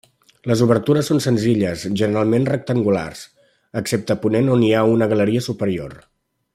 Les obertures són senzilles, generalment rectangulars, excepte a ponent on hi ha una galeria superior.